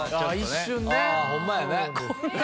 ホンマやね。